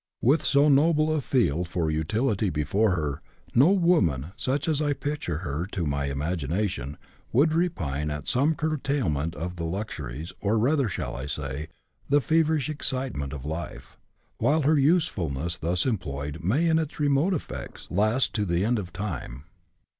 With so noble a field for utility before her, no woman, such as I picture her to my imagination, would repine at some curtailment of the luxuries, or rather, shall I say, the feverish excitements of life ; while her usefulness, thus employed, may, in its remote effects, last to the end of time.